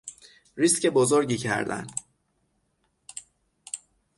ریسک بزرگی کردن